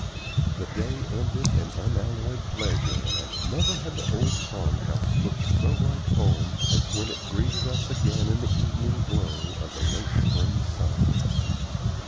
The day ended in unalloyed pleasure, and never had the old farm house looked so like home as when it greeted us again in the evening glow of the late spring sun.